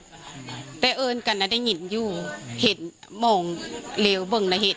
ปกติพี่สาวเราเนี่ยครับเป็นคนเชี่ยวชาญในเส้นทางป่าทางนี้อยู่แล้วหรือเปล่าครับ